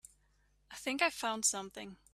I think I found something.